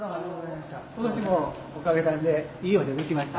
今年もおかげさんでいいお茶できました。